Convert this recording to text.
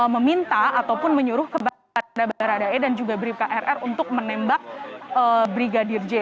meminta ataupun menyuruh kepada baradae dan juga brip krr untuk menembak brigadir j